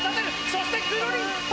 そしてくるりんぱ！